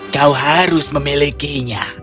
kau harus memilikinya